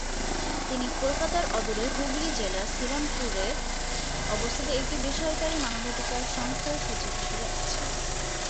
তিনি কলকাতার অদূরে হুগলি জেলার শ্রীরামপুরে অবস্থিত একটি বেসরকারী মানবাধিকার সংস্থার সচিব হিসাবে আছেন।